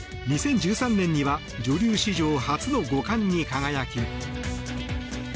２０１３年には女流史上初の五冠に輝き。